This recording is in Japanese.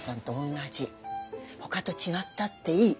他と違ったっていい。